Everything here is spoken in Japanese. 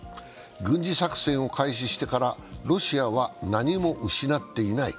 軍事作戦を開始してからロシアは何も失っていない。